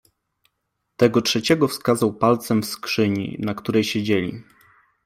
Tego trzeciego wskazał palcem w skrzyni, na której siedzieli.